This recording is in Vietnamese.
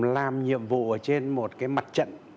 làm nhiệm vụ trên một mặt trận